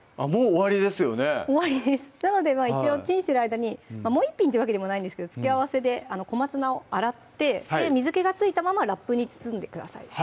終わりですなので一応チンしてる間にもう一品ってわけでもないんですけど付け合わせで小松菜を洗って水気が付いたままラップに包んでください